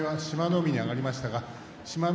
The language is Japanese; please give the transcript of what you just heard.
海に上がりましたが志摩ノ